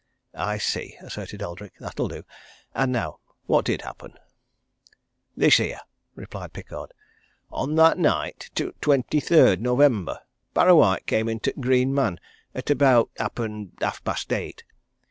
"I see," asserted Eldrick. "That'll do! And now what did happen?" "This here," replied Pickard. "On that night t' twenty third November Parrawhite came into t' Green Man at about, happen, half past eight.